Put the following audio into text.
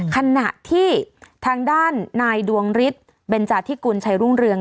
ขณะที่ทางด้านนายดวงฤทธิ์เบนจาธิกุลชัยรุ่งเรือง